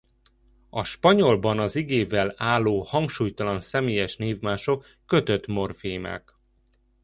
A spanyolban az igével álló hangsúlytalan személyes névmások kötött morfémák.